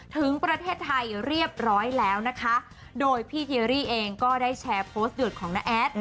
ถึงประเทศไทยเรียบร้อยแล้วนะคะโดยพี่เทียรี่เองก็ได้แชร์โพสต์เดือดของน้าแอด